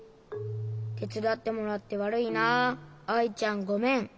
てつだってもらってわるいなアイちゃんごめん。